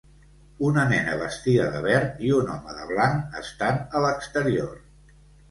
Una nena vestida de verd i un home de blanc estan a l'exterior.